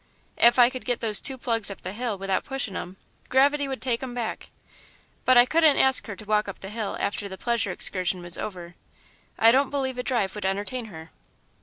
If I could get those two plugs up the hill, without pushing 'em, gravity would take'em back, but I couldn't ask her to walk up the hill after the pleasure excursion was over. I don't believe a drive would entertain her.